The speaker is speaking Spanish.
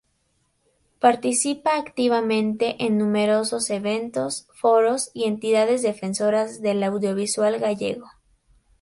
Participa activamente en numerosos eventos, foros y entidades defensoras del audiovisual gallego.